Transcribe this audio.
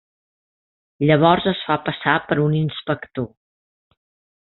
Llavors es fa passar per un inspector.